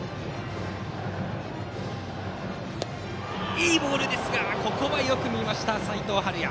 いいボールですがここはよく見ました齋藤敏哉。